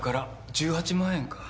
１８万円か。